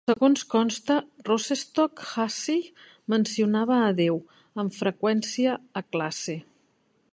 Segons consta, Rosenstock-Huessy mencionava a Déu, amb freqüència, a classe.